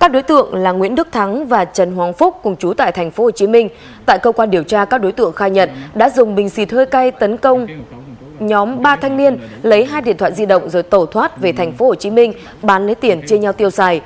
các đối tượng là nguyễn đức thắng và trần hoàng phúc cùng chú tại tp hcm tại cơ quan điều tra các đối tượng khai nhận đã dùng bình xịt hơi cay tấn công nhóm ba thanh niên lấy hai điện thoại di động rồi tẩu thoát về tp hcm bán lấy tiền chia nhau tiêu xài